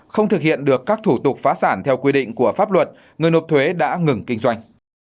không thực hiện được các thủ tục phá sản theo quy định của pháp luật người nộp thuế đã ngừng kinh doanh